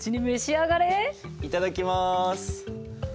いただきます！